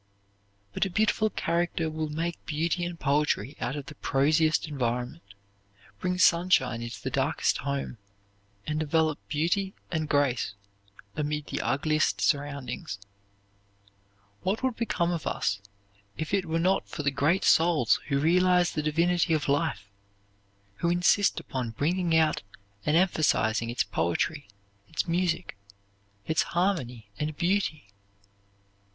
But a beautiful character will make beauty and poetry out of the prosiest environment, bring sunshine into the darkest home, and develop beauty and grace amid the ugliest surroundings. What would become of us if it were not for the great souls who realize the divinity of life, who insist upon bringing out and emphasizing its poetry, its music, its harmony and beauty?